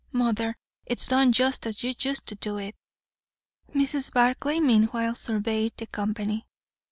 Mother, it's done just as you used to do it." Mrs. Barclay meanwhile surveyed the company.